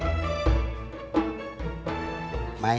udah ada kemana ya